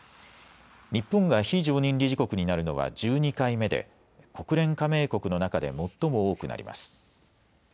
日本が非常任理事国になるのは１２回目で国連加盟国の中で最も多くなります。